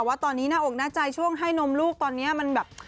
ว่าตอนนี้หน้าอกหน้าใจช่วงให้นมลูกตอนนี้มันแบบ